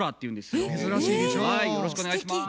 よろしくお願いします。